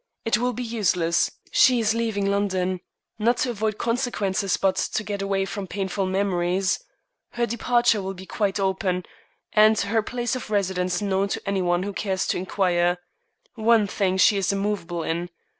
It will be useless. She is leaving London, not to avoid consequences, but to get away from painful memories. Her departure will be quite open, and her place of residence known to any one who cares to inquire. One thing she is immovable in.